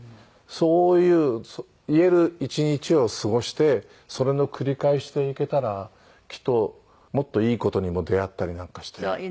そういう言える一日を過ごしてそれの繰り返しでいけたらきっともっといい事にも出会ったりなんかして。